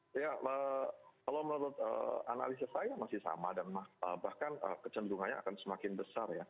ya kalau menurut analisa saya masih sama dan bahkan kecenderungannya akan semakin besar ya